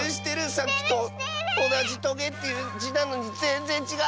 さっきとおなじ「とげ」っていう「じ」なのにぜんぜんちがうッス！